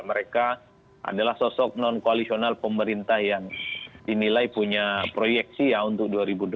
mereka adalah sosok non koalisional pemerintah yang dinilai punya proyeksi ya untuk dua ribu dua puluh empat